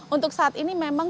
untuk saat ini memang